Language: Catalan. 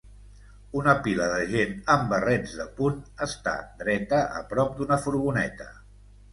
Una pila de gent amb barrets de punt està dreta a prop d'una furgoneta.